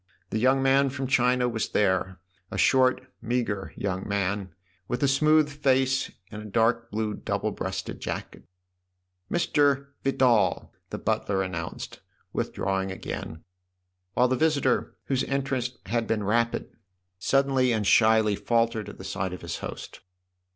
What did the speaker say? The young man from China was there a short, meagre young man, with a smooth face and a dark blue double breasted jacket. " Mr. Vidal !" the butler an nounced, withdrawing again, while the visitor, whose entrance had been rapid, suddenly and shyly faltered at the sight of his host.